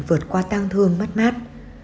vượt qua tăng thương mất mát